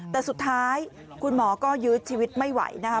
แต่สุดท้ายคุณหมอก็ยื้อชีวิตไม่ไหวนะคะ